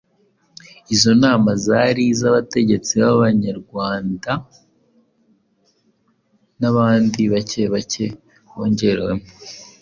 Izo nama zari iz'abategetsi b'Abanyarwanda n'abandi bake bake bongerewemo.